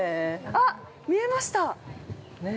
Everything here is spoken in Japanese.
◆あっ、見えました！